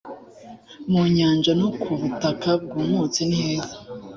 mu nyanja no ku butaka bwumutse niheza